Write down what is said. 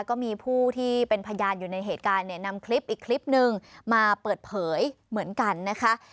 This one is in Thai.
ก็มีผู้ที่เป็นพยานอยู่ในเหตุการณ์เนี่ยนำคลิปอีกคลิปนึงมาเปิดเผยเหมือนกันนะคะ